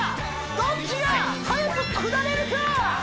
どっちが速く下れるか！